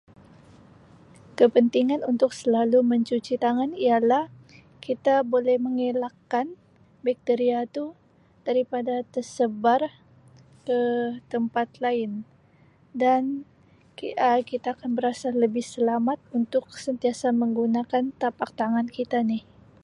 Kepentingan untuk selalu mencuci tangan ialah kita boleh mengelakkan bakteria tu daripada tersebar ke tempat lain dan Um kita akan berasa lebih selamat untuk sentiasa menggunakan tapak tangan kita ni.